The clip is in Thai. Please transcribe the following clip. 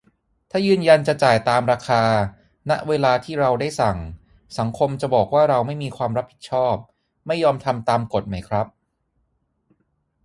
ถ้ายืนยันจะจ่ายตามราคา ณ เวลาที่เราได้สั่ง สังคมจะบอกว่าเราไม่มีความรับผิดชอบ ไม่ยอมทำตามกฎไหมครับ